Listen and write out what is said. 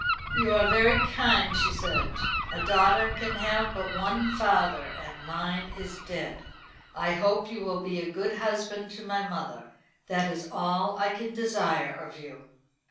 "You are very kind," she said. "A daughter can have but one father, and mine is dead. I hope you will be a good husband to my mother. That is all I can desire of you."